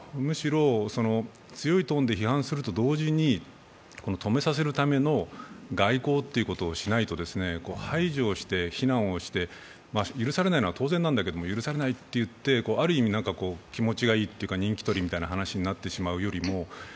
むしろ強いトーンで批判すると同時に、止めさせるための外交ということをしないと、排除して非難して許されないのは当然なんだけど許されないと言って、ある意味、気持ちがいいというか人気取りみたいな話になってしまうよりも、